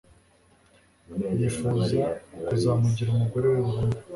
yifuza kuzamugira umugore we burundu